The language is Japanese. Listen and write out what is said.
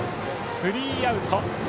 スリーアウト。